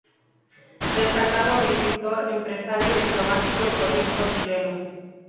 Destacado agricultor, empresario, diplomático y político chileno.